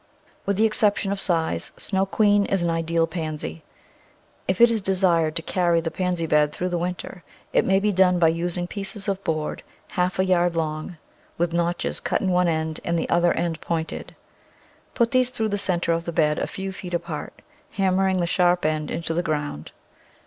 With the exception of size, Snow Queen is an ideal Pansy. If it is desired to carry the Pansy bed through the winter it may be done by using pieces of board, half a yard long, with notches cut in one end and the other end pointed. Put these through the centre of the bed a few feet apart, ham mering the sharp end into the ground.